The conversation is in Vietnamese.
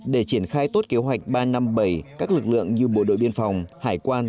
để triển khai tốt kế hoạch ba trăm năm mươi bảy các lực lượng như bộ đội biên phòng hải quan